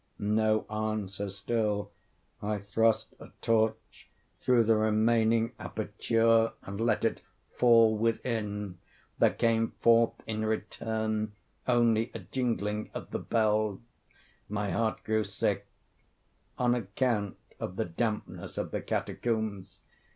No answer still. I thrust a torch through the remaining aperture and let it fall within. There came forth in return only a jingling of the bells. My heart grew sick—on account of the dampness of the catacombs.